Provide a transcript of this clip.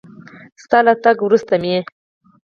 ستا له تګ وروسته مې